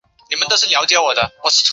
四川乡试第三十九名。